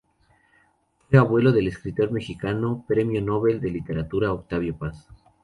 Fue abuelo del escritor mexicano, Premio Nobel de Literatura, Octavio Paz.